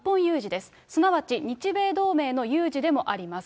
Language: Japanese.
すなわち日米同盟の有事でもあります。